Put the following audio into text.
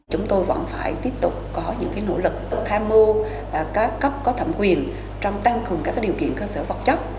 chúng tôi vẫn phải tiếp tục có những nỗ lực tham mưu các cấp có thẩm quyền trong tăng cường các điều kiện cơ sở vật chất